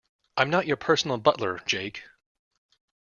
I'm not your personal butler, Jake.